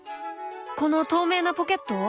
この透明なポケット？